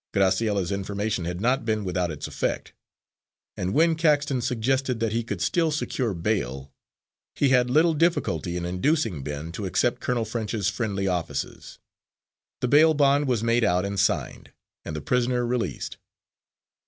Graciella's information had not been without its effect, and when Caxton suggested that he could still secure bail, he had little difficulty in inducing Ben to accept Colonel French's friendly offices. The bail bond was made out and signed, and the prisoner released.